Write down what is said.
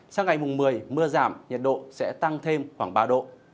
sáng ngày mùng một mươi mưa giảm nhiệt độ sẽ tăng thêm khoảng ba độ